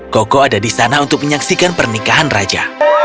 koko ada di sana untuk menyaksikan pernikahan raja